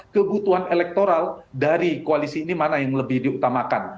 kebutuhan elektoral dari koalisi ini mana yang lebih diutamakan